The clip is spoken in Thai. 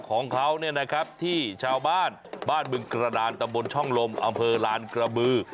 กระดานตะบนช่องลมอำเภอลานกระบือ